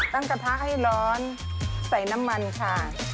กระทะให้ร้อนใส่น้ำมันค่ะ